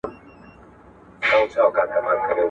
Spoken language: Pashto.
ایا تاسي پوهېږئ چې اتوم څه شی دی؟